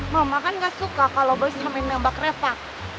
mama kan enggak suka kalau boy sampe nembak refah